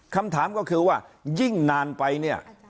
คำถามก็คือว่ายิ่งนานไปเนี่ย